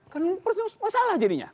kan masalah jadinya